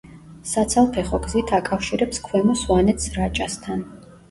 საცალფეხო გზით აკავშირებს ქვემო სვანეთს რაჭასთან.